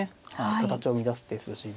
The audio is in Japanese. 形を乱す手筋で。